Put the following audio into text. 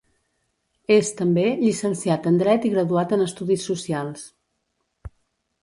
És, també, llicenciat en Dret i graduat en Estudis Socials.